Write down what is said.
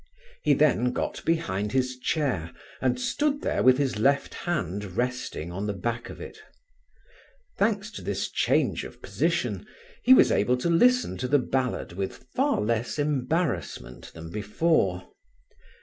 He then got behind his chair, and stood there with his left hand resting on the back of it. Thanks to this change of position, he was able to listen to the ballad with far less embarrassment than before.